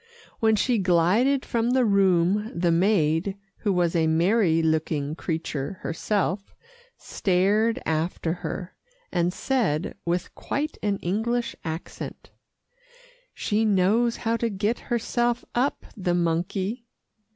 When she glided from the room, the maid, who was a merry looking creature herself, stared after her, and said with quite an English accent, "She knows how to get herself up the monkey."